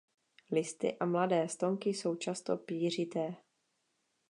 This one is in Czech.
Listy a mladé stonky jsou často pýřité.